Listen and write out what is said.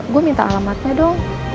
gue minta alamatnya dong